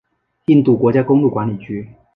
印度国家公路管理局。